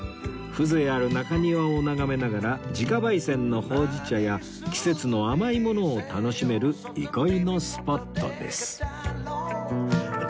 風情ある中庭を眺めながら自家焙煎のほうじ茶や季節の甘いものを楽しめる憩いのスポットです